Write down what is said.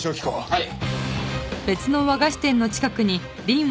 はい！